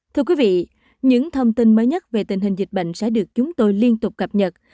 thưa quý vị những thông tin mới nhất về tình hình dịch bệnh sẽ được chúng tôi liên tục cập nhật